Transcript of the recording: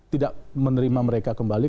tidak menerima mereka kembali